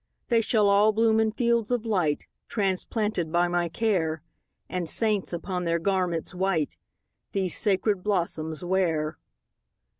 ``They shall all bloom in fields of light, Transplanted by my care, And saints, upon their garments white, These sacred blossoms wear.''